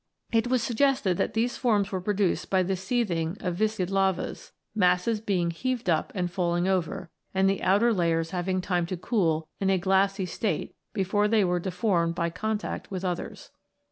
It was suggested that these forms were produced by the seething of viscid lavas, masses being heaved up and falling over, and the outer layers having time to cool in a glassy state before they were deformed by contact with others.